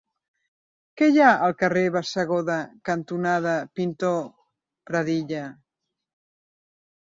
Què hi ha al carrer Bassegoda cantonada Pintor Pradilla?